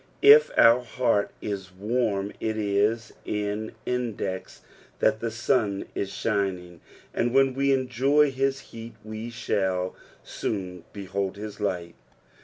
If our heart is warm it is iiu index that the sun is shining, and when we enjoy his heat we shall soon behold his light.